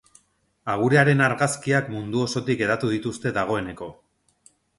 Agurearen argazkiak mundu osotik hedatu dituzte dagoeneko.